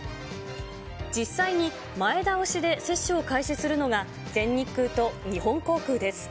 実際に前倒しで接種を開始するのが、全日空と日本航空です。